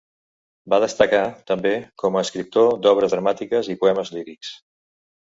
Va destacar, també, com a escriptor d'obres dramàtiques i poemes lírics.